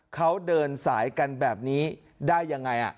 เขาเดินสายกันแบบนี้ได้ยังไง